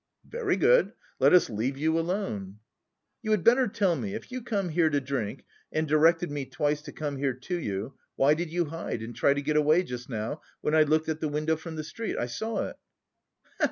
"Very good, let us leave you alone." "You had better tell me, if you come here to drink, and directed me twice to come here to you, why did you hide, and try to get away just now when I looked at the window from the street? I saw it."